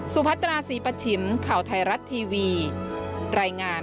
พัตราศรีปัชชิมข่าวไทยรัฐทีวีรายงาน